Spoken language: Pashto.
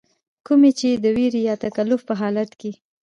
کومي چې د ويرې يا تکليف پۀ حالت کښې